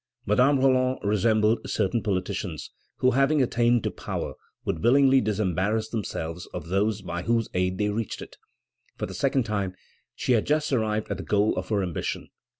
Madame Roland resembled certain politicians, who, having attained to power, would willingly disembarrass themselves of those by whose aid they reached it. For the second time she had just arrived at the goal of her ambition.